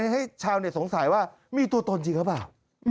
ให้ชาวเน็ตสงสัยว่ามีตัวตนจริงหรือเปล่า